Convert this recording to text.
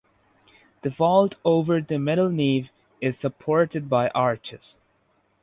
The vault over the middle nave is supported by arches.